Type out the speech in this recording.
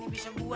ini bisa buat